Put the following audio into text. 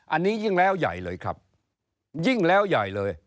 อันนี้ยิ่งแล้วใหญ่เลยครับยิ่งแล้วใหญ่เลย